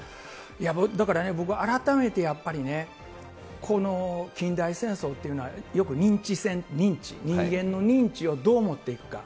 いや、だからね、僕、改めてやっぱりね、この近代戦争というのはよく認知戦、認知、人間の認知をどう持っていくか。